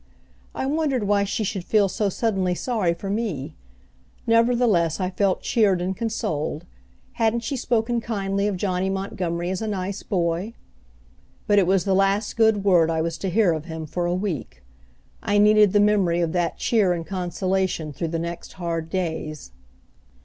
I wondered why she should feel so suddenly sorry for me; nevertheless I felt cheered and consoled hadn't she spoken kindly of Johnny Montgomery as a nice boy? But it was the last good word I was to hear of him for a week. I needed the memory of that cheer and consolation through the next hard days.